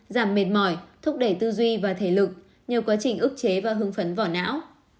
giảm mệt mỏi thúc đẩy tư duy và thể lực nhờ quá trình ức chế và hương phấn vỏ não